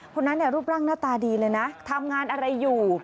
คนนั้นรูปร่างหน้าตาดีเลยนะทำงานอะไรอยู่